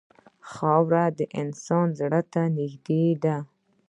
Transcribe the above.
خاوره د انسان زړه ته نږدې ده.